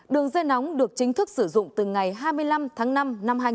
đường dây nóng được chính thức sử dụng từ ngày hai mươi năm tháng năm năm hai nghìn hai mươi